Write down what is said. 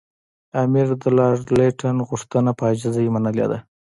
امیر د لارډ لیټن غوښتنه په عاجزۍ منلې ده.